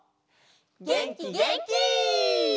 げんきげんき！